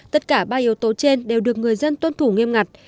tất cả ba yếu tố trên đều được người dân tuân thủ nghiêm ngặt